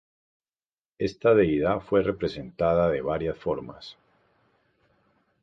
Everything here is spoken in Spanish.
Esta deidad fue representada de varias formas.